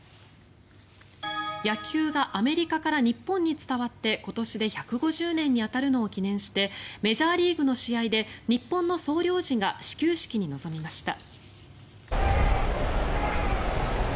野球がアメリカから日本に伝わって今年で１５０年に当たるのを記念してメジャーリーグの試合で日本の総領事が始球式に臨みました。